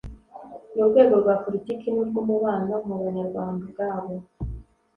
mu rwego rwa politiki n'urw'umubano mu Banyarwanda ubwabo.